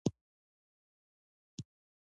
نفت د افغانانو لپاره په معنوي لحاظ ارزښت لري.